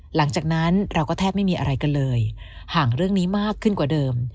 หลังจากนั้นเราก็แทบไม่มีอะไรกันเลยห่างเรื่องนี้มากขึ้นกว่าเดิม